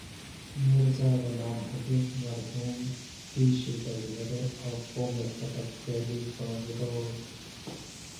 میرزا غلام حبیب مرحوم دِیشی گھڈیروۡ او قومِ فٹک خیلی پݨردوڑہ دےۡ